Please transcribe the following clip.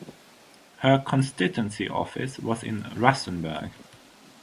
Her constituency office was in Rustenburg.